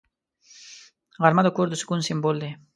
غرمه د کور د سکون سمبول دی